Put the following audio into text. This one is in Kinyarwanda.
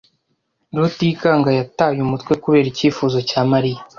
Rutikanga yataye umutwe kubera icyifuzo cya Mariya.